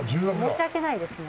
申し訳ないですね